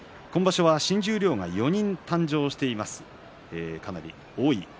今場所、新十両が４人誕生しています。